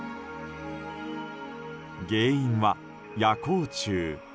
原因は夜光虫。